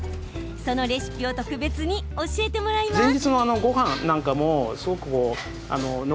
そのレシピを特別に教えてもらいます。